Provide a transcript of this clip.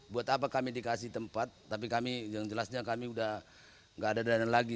buat apa kami dikasih tempat tapi kami yang jelasnya kami udah gak ada dana lagi